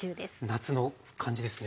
夏の感じですね。